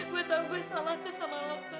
gue tau gue salah sama lo kak